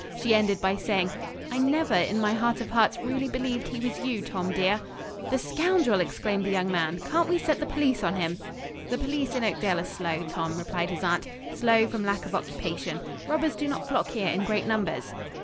She ended by saying: "I never, in my heart of hearts, really believed he was you, Tom, dear." "The scoundrel!" exclaimed the young man. "Can't we set the police on him?" "The police in Oakdale are slow, Tom," replied his aunt. "Slow from lack of occupation. Robbers do not flock here in great numbers."